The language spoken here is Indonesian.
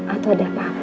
atau ada papa